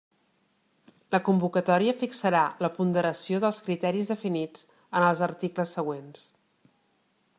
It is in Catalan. La convocatòria fixarà la ponderació dels criteris definits en els articles següents.